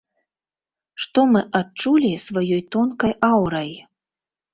Што мы адчулі сваёй тонкай аўрай.